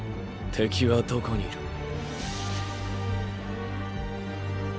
敵はどこにいる。！！